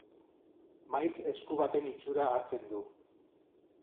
Maiz esku baten itxura hartzen du.